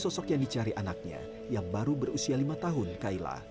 sosok yang dicari anaknya yang baru berusia lima tahun kaila